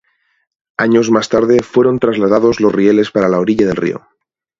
Años más tarde, fueron trasladados los rieles para la orilla del río.